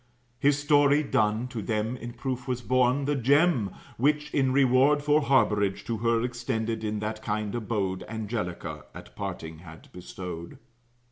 His story done, to them in proof was borne The gem, which, in reward for harborage, To her extended in that kind abode, Angelica, at parting, had bestowed.